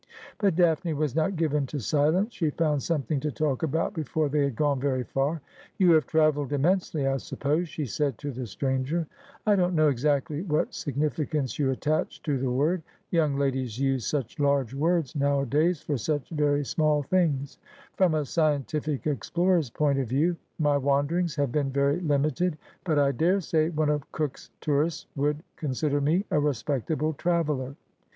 But Daphne was not given to silence. She found something to talk about before they had gone very far. 'You have travelled immensely, I suppose ?' she said to the stranger. ' I don't know exactly what significance you attach to the word. Young ladies use such large words nowadays for such very small things. From a scientific explorer's point of view, my wanderings have been very limited, but I daresay one of Cook's tourists would consider me a respectable traveller.